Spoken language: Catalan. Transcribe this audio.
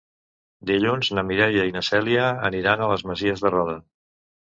Dilluns na Mireia i na Cèlia aniran a les Masies de Roda.